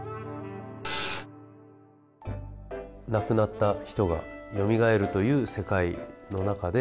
亡くなった人がよみがえるという世界の中で。